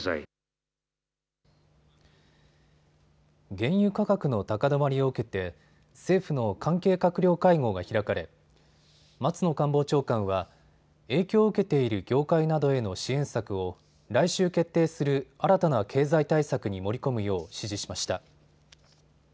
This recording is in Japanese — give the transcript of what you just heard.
原油価格の高止まりを受けて政府の関係閣僚会合が開かれ松野官房長官は影響を受けている業界などへの支援策を来週決定する新たな経済対策に盛り込むよう指示しました。